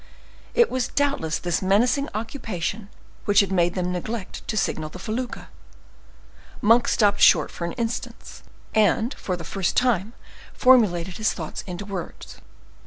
It was doubtless this menacing occupation which had made them neglect to signal the felucca. Monk stopped short for an instant, and, for the first time, formulated his thoughts into words.